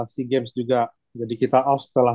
sea games juga jadi kita off setelah